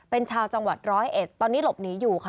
เป็นชาวจังหวัดร้อยเอ็ดตอนนี้หลบหนีอยู่ค่ะ